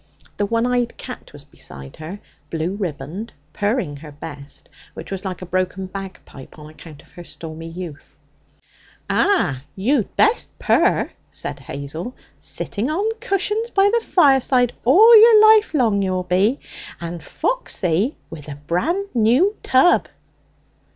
The one eyed cat was beside her, blue ribboned, purring her best, which was like a broken bagpipe on account of her stormy youth. 'Ah! you'd best purr!' said Hazel. 'Sitting on cushions by the fireside all your life long you'll be, and Foxy with a brand new tub!'